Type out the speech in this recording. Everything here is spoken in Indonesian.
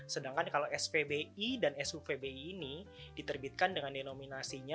sedangkan kalau spbi dan supbi ini diterbitkan dengan denominasinya